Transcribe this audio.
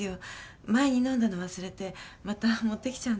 前に飲んだの忘れてまた持って来ちゃうんです。